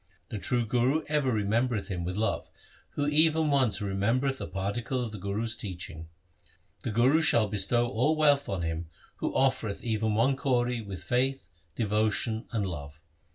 The true Guru ever remembereth him with love, who even once remembereth a particle of the Guru's teaching. The Guru shall bestow all wealth on him who offereth even one kauri with faith, devotion, and love.